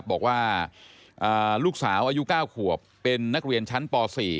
บอกว่าลูกสาวอายุ๙ขวบเป็นนักเรียนชั้นป๔